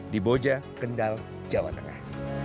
di boja kendal jawa tengah